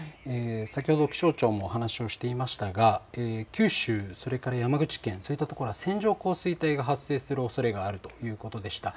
先ほど気象庁も話をしていましたが九州それから山口県そういった所は線状降水帯が発生するおそれがあるということでした。